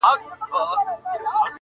پام کوه غزل در نه بې خدايه نه سي;